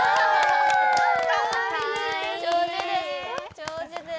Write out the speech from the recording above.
上手です。